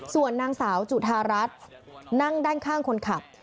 ส่วนนางสาวจุธารัฐนั่งด้านข้างคนขับ